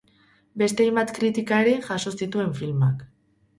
Beste hainbat kritika ere jaso zituen filmak.